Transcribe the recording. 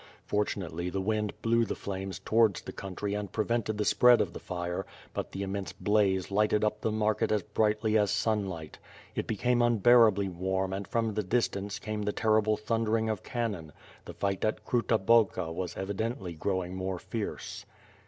Fortunately, the wind blew the flames towards the country and prevented the spread of the fire, but ^ITH PIRE ASD SM'OkD. 187 the immense blaze lighted up the market as ])rightly as sun light. It became unbearabl} warm and from the distance came the terrible thundering of cannon — ^the fight at Kruta Balka was evidently growing more fierce.